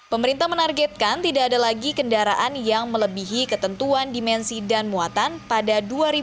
pemerintah menargetkan tidak ada lagi kendaraan yang melebihi ketentuan dimensi dan muatan pada dua ribu dua puluh